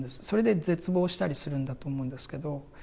それで絶望したりするんだと思うんですけど。